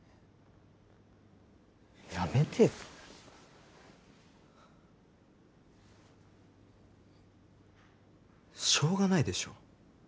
やめてよえっしょうがないでしょ